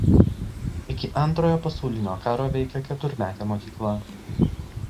Iki Antrojo pasaulinio karo veikė keturmetė mokykla.